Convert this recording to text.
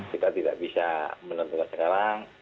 kita tidak bisa menentukan sekarang